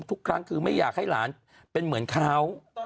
ทุกครั้งคือไม่อยากให้หลานเป็นเหมือนเขา